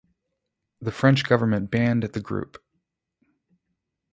The French government banned the group.